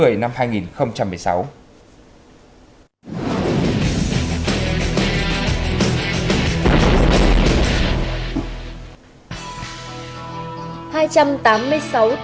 hai trăm tám mươi sáu tỷ đồng là mức đầu tư nâng cấp đường từ phan thiết đến hàm tiến hũi né